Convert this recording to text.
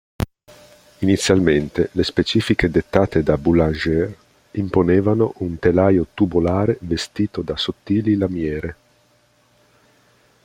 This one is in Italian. Inizialmente le specifiche dettate da Boulanger imponevano un telaio tubolare "vestito" da sottili lamiere.